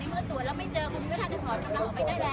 มีผู้ที่ได้รับบาดเจ็บและถูกนำตัวส่งโรงพยาบาลเป็นผู้หญิงวัยกลางคน